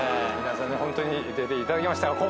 皆さんねホントに出ていただきました。